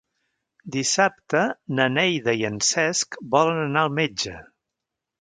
Dissabte na Neida i en Cesc volen anar al metge.